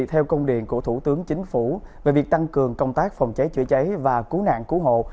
theo công điện của thủ tướng chính phủ về việc tăng cường công tác phòng cháy chữa cháy và cứu nạn cứu hộ